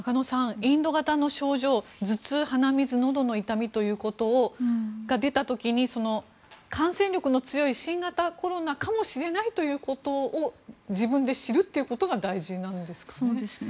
インド型の症状の頭痛、鼻水のどの痛みが出た時に感染力の強い新型コロナかもしれないということを自分で知るということが大事なんですかね。